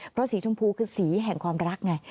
เพราะสีชมพูคือสีแห่งความรักไง